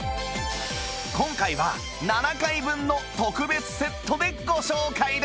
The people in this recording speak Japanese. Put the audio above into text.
今回は７回分の特別セットでご紹介です